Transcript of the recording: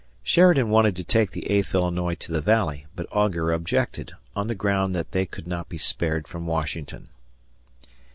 Sheridan wanted to take the Eighth Illinois to the Valley, but Augur objected, on the ground that they could not be spared from Washington.